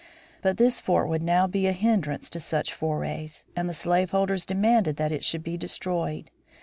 But this fort would now be a hindrance to such forays, and the slaveholders demanded that it should be destroyed.